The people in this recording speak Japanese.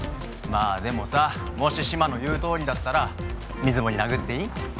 まあでもさもし志摩の言うとおりだったら水森殴っていい？